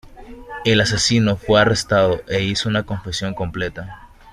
El asesino fue arrestado e hizo una confesión completa.